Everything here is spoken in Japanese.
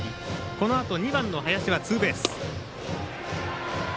このあと２番の林はツーベース。